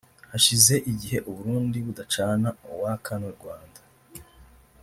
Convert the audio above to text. Hashize igihe u Burundi budacana uwaka n’u Rwanda